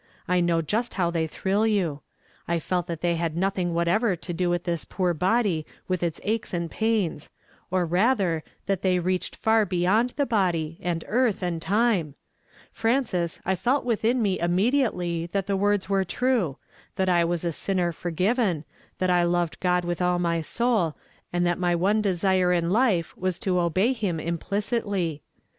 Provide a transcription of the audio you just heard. I know just how they thrill you. I felt that they had nothing whatever to do with this poor body with its aches ami pains; or rather, that tliey reached far beyond the body, and earth,' and time. F. ances, I felt within me innnediately that the words were ti ue, — that I was a sinner forgiven, that I loved (^od witli all my soul, and that my one desire in life was to obey him im plicitly